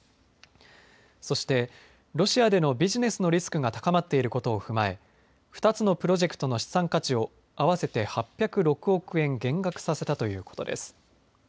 そして、ロシアでのビジネスのリスクが高まっていることを踏まえ２つのプロジェクトの資産価値を合わせて８０６億円減額させたということです。